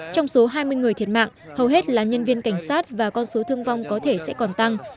trong số hai mươi người thiệt mạng hầu hết là nhân viên cảnh sát và con số thương vong có thể sẽ còn tăng